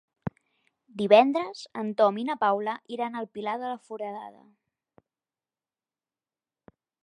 Divendres en Tom i na Paula iran al Pilar de la Foradada.